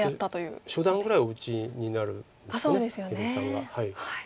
初段ぐらいお打ちになるんですかね照井さんは。